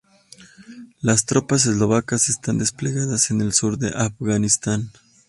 Las tropas eslovacas están desplegadas en el sur de Afganistán.